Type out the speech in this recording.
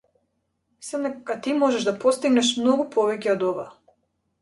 Мислам дека ти можеш да постигнеш многу повеќе од ова.